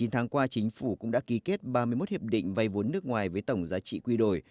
chín tháng qua chính phủ cũng đã ký kết ba mươi một hiệp định vay vốn nước ngoài với tổng giá trị quy đổi